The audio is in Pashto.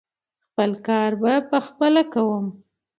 خپل کاره خپل به کوم .